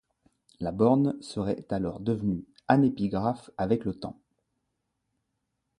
La borne serait alors devenue anépigraphe avec le temps.